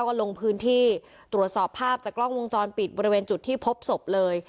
ก็ลงพื้นที่ตรวจสอบภาพจากกล้องวงจรปิดบริเวณจุดที่พบศพเลย